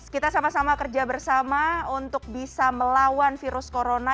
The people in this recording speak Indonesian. kita sama sama kerja bersama untuk bisa melawan virus corona